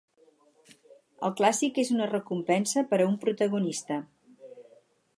El clàssic és una recompensa per a un protagonista.